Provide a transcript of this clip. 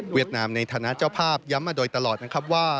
นามในฐานะเจ้าภาพย้ำมาโดยตลอดนะครับว่า